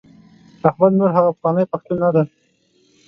احمد نور هغه پخوانی پښتون نه دی.